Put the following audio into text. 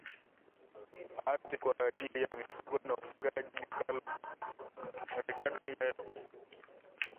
ardhi kwa ajili ya kilimo na ufugaji Ricardo Mello